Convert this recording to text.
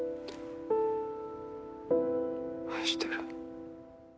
愛してる。